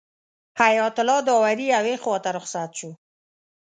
حیات الله داوري یوې خواته رخصت شو.